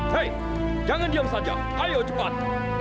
baik jangan diam saja ayo cepat